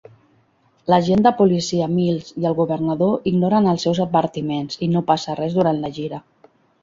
L'agent de policia Mills i el governador ignoren els seus advertiments, i no passa res durant la gira.